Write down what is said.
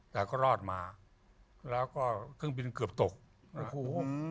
แต่ก็รอดมาแล้วก็เครื่องบินเกือบตกโอ้โห